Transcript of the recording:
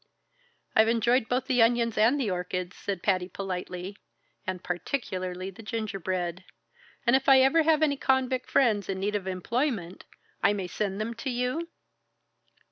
"I've enjoyed both the onions and the orchids," said Patty politely, "and particularly the gingerbread. And if I ever have any convict friends in need of employment, I may send them to you?"